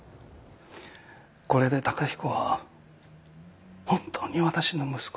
これで崇彦は本当に私の息子になった。